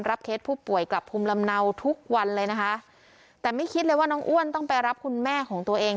เคสผู้ป่วยกลับภูมิลำเนาทุกวันเลยนะคะแต่ไม่คิดเลยว่าน้องอ้วนต้องไปรับคุณแม่ของตัวเอง